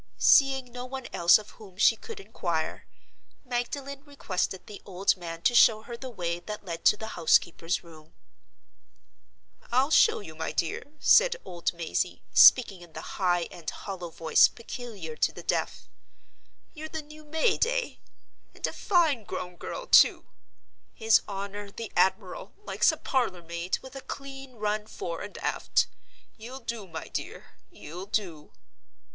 Seeing no one else of whom she could inquire, Magdalen requested the old man to show her the way that led to the housekeeper's room. "I'll show you, my dear," said old Mazey, speaking in the high and hollow voice peculiar to the deaf. "You're the new maid—eh? And a fine grown girl, too! His honor, the admiral, likes a parlor maid with a clean run fore and aft. You'll do, my dear—you'll do."